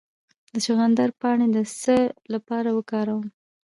د چغندر پاڼې د څه لپاره وکاروم؟